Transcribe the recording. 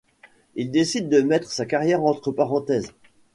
Il décide de mettre sa carrière entre parenthèses.